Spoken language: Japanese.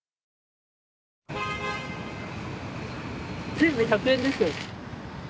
・全部１００円ですよ。